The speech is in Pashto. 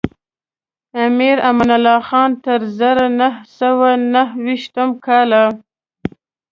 امیر امان الله خان تر زرو نهه سوه نهه ویشتم کاله.